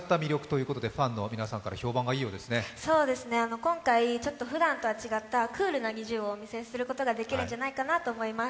今回ふだんとは違ったクールなＮｉｚｉＵをお見せすることができるんじゃないかなと思います。